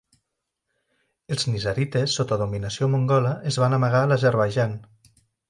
Els nizarites sota dominació mongola es van amagar a l'Azerbaidjan.